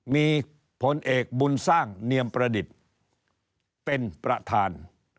มีผลเอกบุญสร้างเนียมประดิษฐ์เป็นประธาน